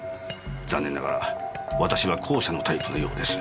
残念ながら私は後者のタイプのようです。